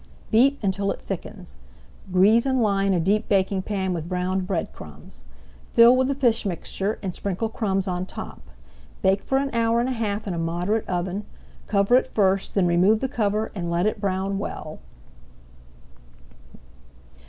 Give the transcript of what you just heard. Beat until it thickens. Grease and line a deep baking pan with browned bread crumbs. Fill with the fish mixture and sprinkle crumbs on top. Bake for an hour and a half in a moderate oven; cover at first, then remove the cover and let it brown well.